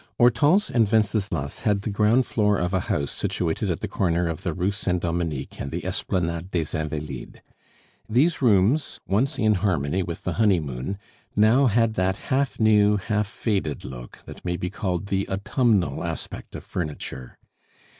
Hortense and Wenceslas had the ground floor of a house situated at the corner of the Rue Saint Dominique and the Esplanade des Invalides. These rooms, once in harmony with the honeymoon, now had that half new, half faded look that may be called the autumnal aspect of furniture.